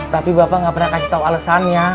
tapi bapak nggak pernah kasih tahu alasannya